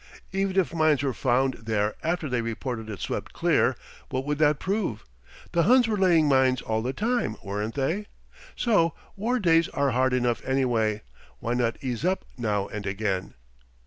Even if mines were found there after they reported it swept clear, what would that prove? The Huns were laying mines all the time, weren't they? So war days are hard enough anyway why not ease up now and again?